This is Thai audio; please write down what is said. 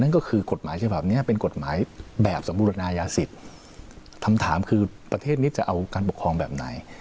นั่นก็คือกฎหมายใช่ปะอันนี้เป็นกฎหมายแบบสมบูรณายาศิษย์คือประเทศนี้จะเอาการปกครองแบบไหน